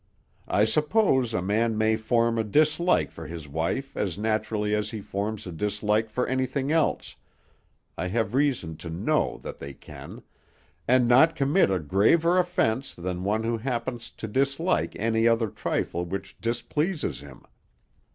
I suppose a man may form a dislike for his wife as naturally as he forms a dislike for anything else I have reason to know that they can and not commit a graver offence than one who happens to dislike any other trifle which displeases him.